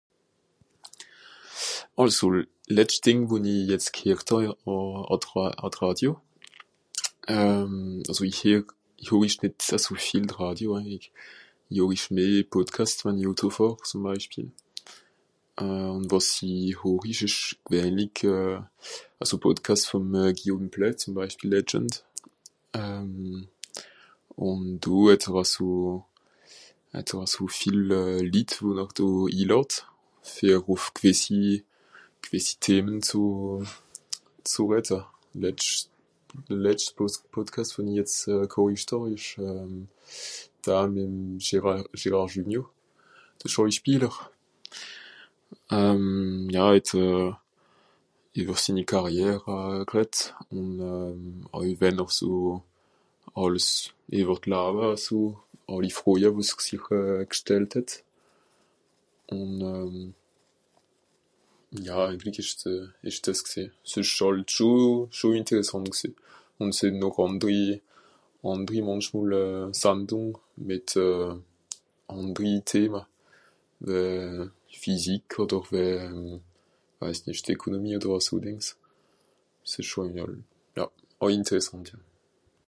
Àlso, l...letscht Dìng, wo-n-i jetz gheert hà ì...à... à d'Rà...à d'Ràdio euh... Àlso ìch heer... ìch horich nìt aso viel Radio hein i.. i horich meh Podcast, wann i Auto fàhr zùm Beispiel. Euh... wàs i horich ìsch gwennlig also Podcast vùm euh... Guillaume Pley zùm Beispiel Legend. Euh... ùn do het'r aso... het'r aso viel Litt, wo-n-r do iilàd, fer ùff (...), Themen zù...zù redde. Letscht... letscht Pod...Podcast, w-n-i jetz ghoricht hàà ìsch euh... da mìt'm Gera... Gérard Junio, de Schàuispieler. Euh... ja het'r euh... ìwwer sinni Carrière euh... greddt. Ùn euh... oei wenn'r so... àlles ìwwer d'Lawa aso, àlli Froja, wo 's 'r sich euh... gstellt het. Ùn euh... Ja Eijentlig ìsch ze... ìsch dìs gsìì. S'ìsch hàlt scho... scho ìnteressànt gsìì. Ùn es sìnn noch àndri... àndri mànchmol euh... Sandùng, mìt euh... àndri Thema. Euh... Physik odder we... weis nìt so Economie odder aso Dìngs. S'ìsch schon oei... ja. Oei ìnterssànt ja.